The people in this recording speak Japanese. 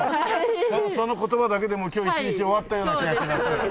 その言葉だけでもう今日一日終わったような気がします。